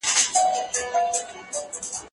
موږ د لمر تر خاته پورې اوږد مزل وکړ.